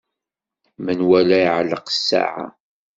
Menwala iɛelleq ssaɛa.